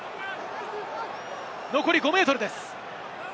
残り５ｍです。